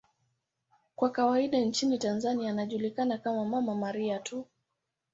Kwa kawaida nchini Tanzania anajulikana kama 'Mama Maria' tu.